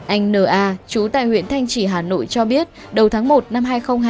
anh n a chú tại huyện thanh trị hà nội cho biết đầu tháng một năm hai nghìn hai mươi bốn